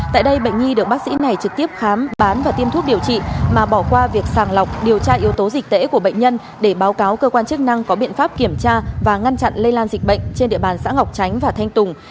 tại đây bệnh nhi được bác sĩ này trực tiếp khám bán và tiêm thuốc điều trị mà bỏ qua việc sàng lọc điều tra yếu tố dịch tễ của bệnh nhân để báo cáo cơ quan chức năng có biện pháp kiểm tra và ngăn chặn lây lan dịch bệnh trên địa bàn xã ngọc tránh và thanh tùng